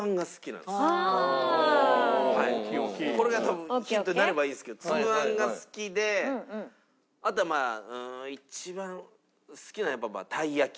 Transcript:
これが多分ヒントになればいいんですけどつぶあんが好きであとはまあ一番好きなのはたい焼きとかが。